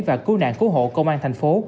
và cú nạn cú hộ công an tp hcm